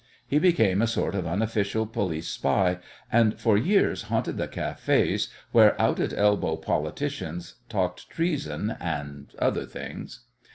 He became a sort of unofficial police spy, and for years haunted the cafés where out at elbow politicians talked treason and other things.